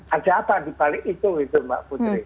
ada apa dibalik itu mbak putri